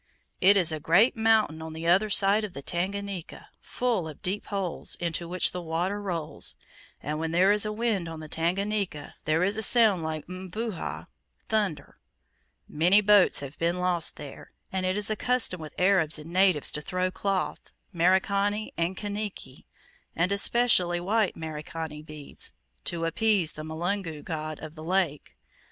"It is a great mountain on the other side of the Tanganika, full of deep holes, into which the water rolls; and when there is wind on the Tanganika, there is a sound like mvuha (thunder). Many boats have been lost there, and it is a custom with Arabs and natives to throw cloth Merikani and Kaniki and especially white (Merikani) beads, to appease the mulungu (god) of the lake.